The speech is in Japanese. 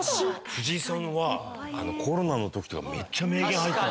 藤井さんはコロナの時とかめっちゃ名言吐いてたよ。